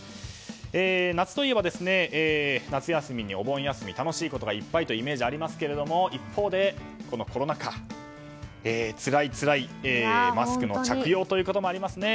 夏といえば、夏休みにお盆休み楽しいことがいっぱいというイメージがありますが一方で、コロナ禍つらいつらいマスクの着用汗ばんで。